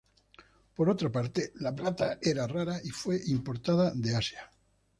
Por otra parte, la plata era rara y fue importada de Asia.